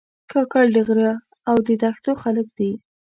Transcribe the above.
کاکړ د غره او دښتو خلک دي.